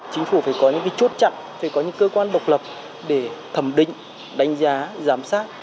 chính phủ phải có những chốt chặn phải có những cơ quan độc lập để thẩm định đánh giá giám sát